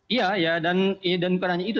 iya ya dan bukan hanya itu